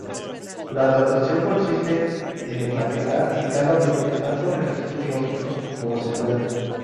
La adaptación consiste en empaquetar en cada bloque tantos registros lógicos como se pueda.